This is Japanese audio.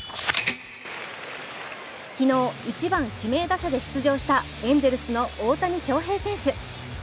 昨日、１番・指名打者で出場したエンゼルスの大谷翔平選手。